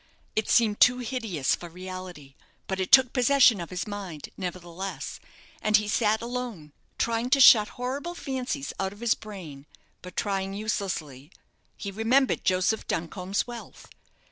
It seemed too hideous for reality; but it took possession of his mind, nevertheless, and he sat alone, trying to shut horrible fancies out of his brain, but trying uselessly. He remembered Joseph Duncombe's wealth.